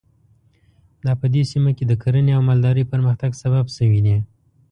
دا په دې سیمه کې د کرنې او مالدارۍ پرمختګ سبب شوي دي.